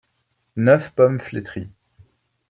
Neuf pommes flétries.